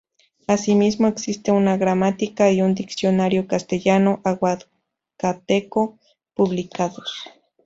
Asimismo, existen una gramática y un diccionario castellano-aguacateco publicados.